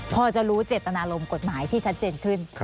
พอจะรู้เจตนารมณ์กฎหมายที่ชัดเจนขึ้น